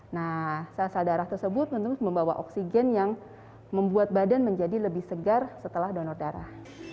nah sel sel darah tersebut tentu membawa oksigen yang membuat badan menjadi lebih segar setelah donor darah